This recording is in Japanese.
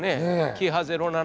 キハ０７。